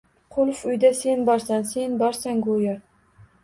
Qulf uyda sen borsan, sen borsan, go‘yo